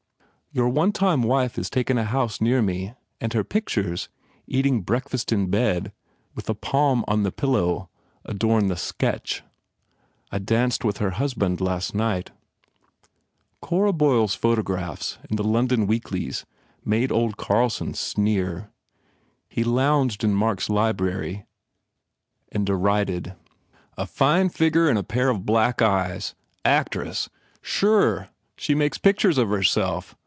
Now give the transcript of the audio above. ... Your one time wife has taken a house near me and her pictures, eating breakfast in bed with a Pom on the pillow, adorn the Sketch. I danced with her husband last night." 79 THE FAIR REWARDS Cora Boyle s photographs in the London Weeklies made old Carlson sneer. He lounged in Mark s library and derided: "A fine figger and a pair of black eyes. Actress? Sure. She makes pictures of herself.